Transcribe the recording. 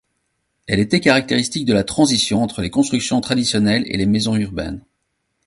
Elle était caractéristique de la transition entre les constructions traditionnelles et les maisons urbaines.